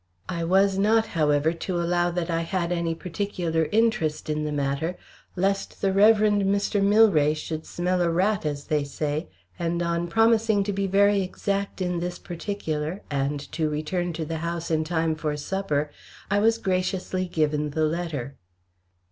I was not, however, to allow that I had any particular interest in the matter, lest the Rev. Mr. Milray should smell a rat as they say, and on promising to be very exact in this particular and to return to the house in time for supper, I was graciously given the letter.